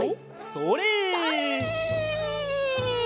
それ！